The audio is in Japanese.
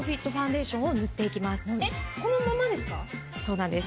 そうなんです。